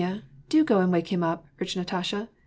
'^Sonja, do go and wake him up/' urged Natasha.